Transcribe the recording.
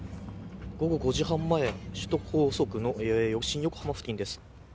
午後５時半前首都高速の新横浜付近です。